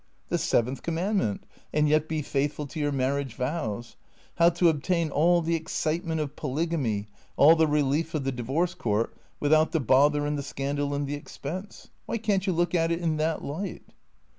" The seventh commandment and yet be faithful to your mar riage vows — how to obtain all the excitement of polygamy, all the relief of the divorce court without the bother and the scandal and the expense. Why can't you look at it in that light?"